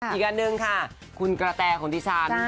อีกอันหนึ่งค่ะคุณกระแตของดิฉัน